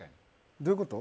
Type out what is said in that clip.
どういうこと？